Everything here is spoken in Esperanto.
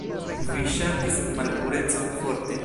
Vi ŝatis malpurecon forte.